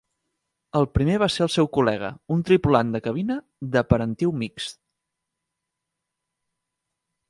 El primer va ser el seu col·lega, un tripulant de cabina de parentiu mixt.